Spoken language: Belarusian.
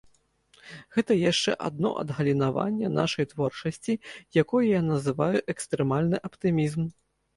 Гэта яшчэ адно адгалінаванне нашай творчасці, якое я называю экстрэмальны аптымізм.